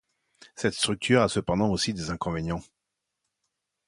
Cette structure a cependant aussi des inconvénients.